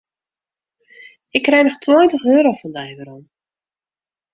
Ik krij noch tweintich euro fan dy werom.